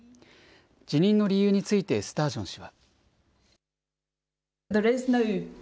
辞任の理由についてスタージョン氏は。